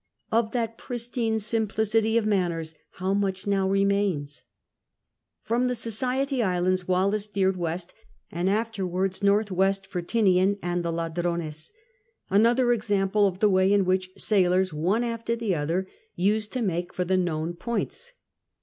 Of that pristine simplicity of manners liow much now remains? From the Society Islands Wallis steered W., and afterwards N.W., for Tinian and the Ladrones — another example of the way in which sailors, one after the other, used to make for the known points.